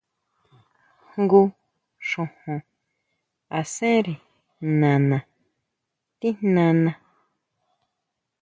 Jngu xojon asére nana tijnana.